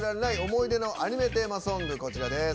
思い出のアニメテーマソングです。